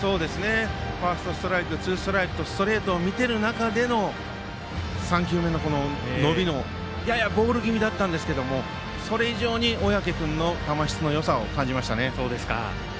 ファーストストライクツーストライクとストレートを見ている中での３球目の伸びのあるややボール気味だったんですがそれ以上に小宅君の球質の良さを感じましたね。